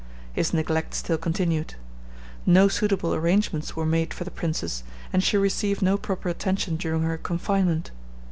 His neglect still continued. No suitable arrangements were made for the princess, and she received no proper attention during her confinement.